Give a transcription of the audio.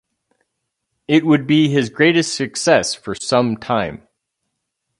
It would be his greatest success for some time.